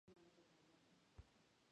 له څوښکي يې مړ تاو راووت.